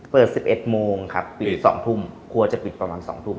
๑๑โมงครับปิด๒ทุ่มครัวจะปิดประมาณ๒ทุ่ม